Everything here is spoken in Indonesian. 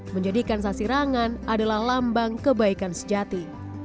menjadikan sasirangan adalah lambang kebaikan sejati